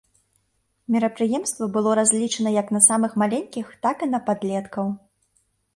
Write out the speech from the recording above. Мерапрыемства было разлічана як на самых маленькіх, так і на падлеткаў.